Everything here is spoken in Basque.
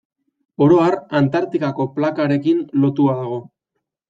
Oro har, Antartikako plakarekin lotua dago.